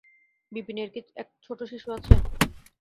বিপিনের কি এক ছোট শিশু আছে?